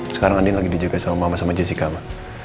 sekarang andien lagi dijaga sama mama sama jessica ma